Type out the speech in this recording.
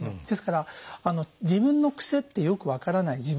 ですから自分の癖ってよく分からない